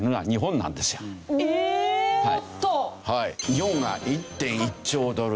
日本が１．１兆ドル。